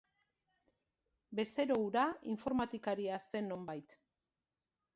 Bezero hura informatikaria zen nonbait.